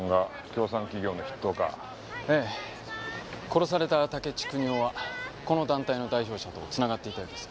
殺された竹地国男はこの団体の代表者とつながっていたようです。